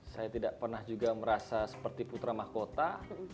saya tidak pernah juga merasa seperti putra mahkota